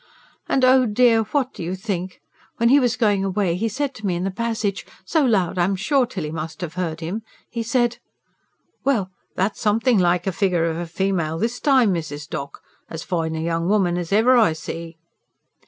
And, oh dear, what do you think? When he was going away he said to me in the passage so loud I'm sure Tilly must have heard him he said: 'Well! that's something like a figure of a female this time, Mrs. Doc. As fine a young woman as ever I see!'"